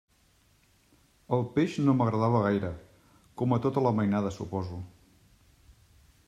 El peix no m'agradava gaire, com a tota la mainada, suposo.